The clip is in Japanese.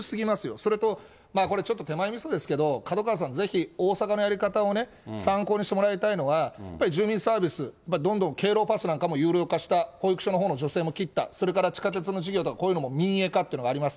それと、これちょっと手前みそですけど、門川さん、ぜひ大阪のやり方を参考にしてもらいたいのは、やっぱり住民サービス、どんどん敬老パスなんかも有料化した保育所のほうの助成も切った、それから地下鉄の事業とかこういうのも民営化というのもあります。